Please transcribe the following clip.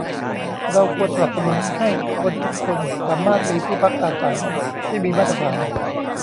เราควรสนับสนุนให้คนทุกคนสามารถมีที่พักอาศัยที่มีมาตรฐาน